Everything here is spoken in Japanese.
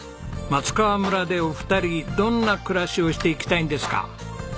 松川村でお二人どんな暮らしをしていきたいんですか？